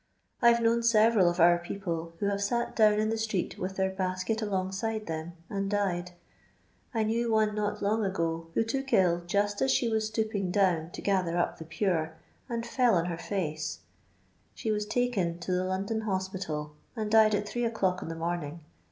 I've known several of our people, who have sat down in the street with their buket alongside them, and died: I knew one not long ago, who took ill fust as shd was stooping down to gather up the rvte, and fell on her fue ; she was taken to the' London Bospital, and died at three o'clock in the morning.